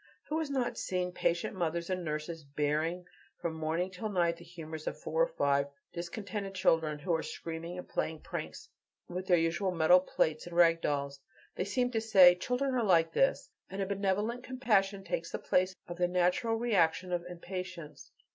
Who has not seen patient mothers and nurses, "bearing" from morning till night the humors of four or five discontented children, who are screaming and playing pranks with their metal plates and rag dolls? They seem to say: "Children are like this," and a benevolent compassion takes the place of the natural reaction of impatience.